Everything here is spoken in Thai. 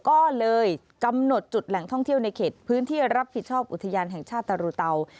ก็เลยกำหนดจุดแหล่งท่องเที่ยวในเขตพื้นที่รับผิดชอบอุทยานแห่งชาติตรูเตา